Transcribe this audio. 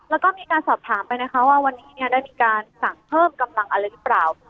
แล้วก็มีการสอบถามไปนะคะว่าวันนี้ได้มีการสั่งเพิ่มกำลังอะไรหรือเปล่า